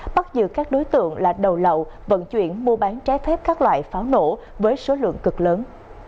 bắt giữ các đối tượng là đầu lậu vận chuyển mua bán trái phép các loại pháo nổ với số lượng cực lớn